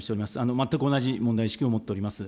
全く同じ問題意識を持っております。